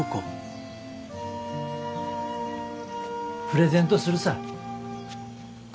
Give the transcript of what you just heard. プレゼントするさぁ。